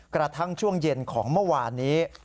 กระทั่งช่วงเย็นของเมื่อวานนี้